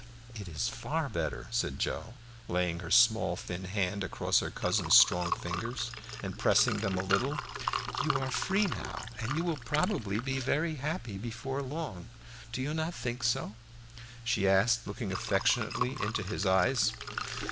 "It is far better," said Joe, laying her small, thin hand across her cousin's strong fingers and pressing them a little. "You are free now, and you will probably be very happy before long. Do you not think so?" she asked, looking affectionately into his eyes.